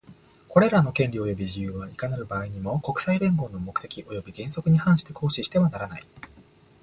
これらの権利及び自由は、いかなる場合にも、国際連合の目的及び原則に反して行使してはならない。